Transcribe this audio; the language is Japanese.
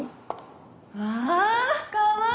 わあかわいい！